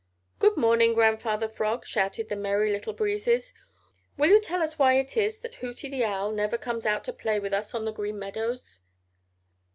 "Good morning, Grandfather Frog," shouted the Merry Little Breezes. "Will you tell us why it is that Hooty the Owl never comes out to play with us on the Green Meadows?"